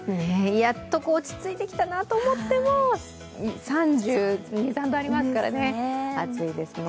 やっと落ち着いてきたなと思っても、３２３３度ありますから、暑いですね。